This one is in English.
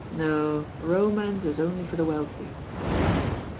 No, romance is only for the wealthy."